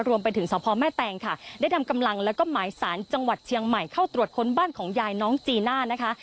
รวมไปถึงสพแม่แตงค่ะได้นำกำลังแล้วก็หมายสารจังหวัดเชียงใหม่เข้าตรวจค้นบ้านของยายน้องจีน่านะคะ